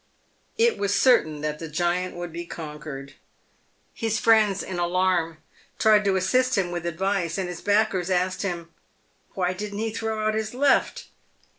It was certain that the giant would be conquered. His friends, in alarm, tried to assist him with advice, and his backers asked him " "Why he didn't throw out his left